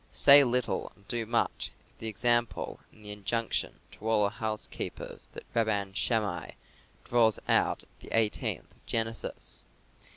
"Say little and do much" is the example and the injunction to all our housekeepers that Rabban Shammai draws out of the eighteenth of Genesis.